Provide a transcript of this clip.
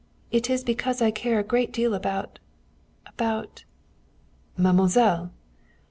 It is because I care a great deal about about " "Mademoiselle!"